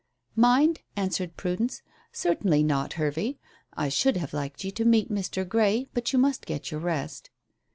"Mind?" answered Prudence; "certainly not, Hervey. I should have liked you to meet Mr. Grey, but you must get your rest."